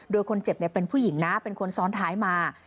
โดยคนเจ็บเป็นผู้หญิงนะเป็นคนซ้อนท้ายมา